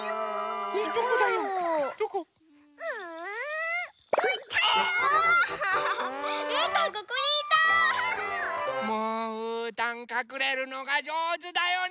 もううーたんかくれるのがじょうずだよね！